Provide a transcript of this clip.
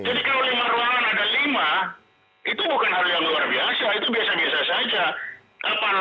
pistol itu kalau yang dipakai glock itu itu isinya sepuluh peluru